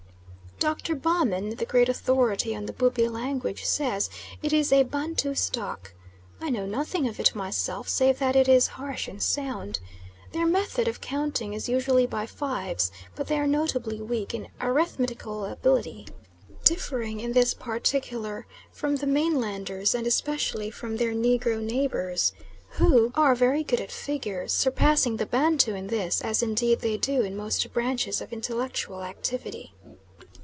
Dr. Baumann, the great authority on the Bubi language says it is a Bantu stock. I know nothing of it myself save that it is harsh in sound. Their method of counting is usually by fives but they are notably weak in arithmetical ability, differing in this particular from the mainlanders, and especially from their Negro neighbours, who are very good at figures, surpassing the Bantu in this, as indeed they do in most branches of intellectual activity.